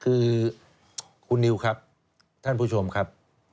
คือคุณนิวครับท่านผู้ชมครับ